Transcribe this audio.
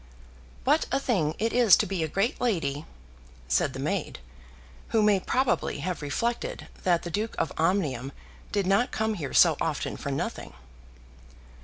"What a thing it is to be a great lady," said the maid, who may probably have reflected that the Duke of Omnium did not come here so often for nothing.